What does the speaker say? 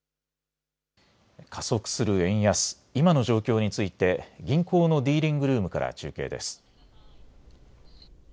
加速する円安、今の状況について銀行のディーリングルームから中継です。